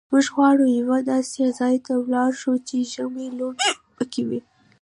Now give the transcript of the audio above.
موږ غواړو یوه داسې ځای ته ولاړ شو چې ژمنۍ لوبې پکښې کېږي.